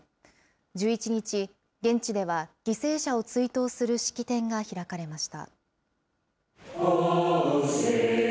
１１日、現地では犠牲者を追悼する式典が開かれました。